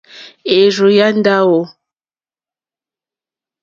Érzù yá ndáwò.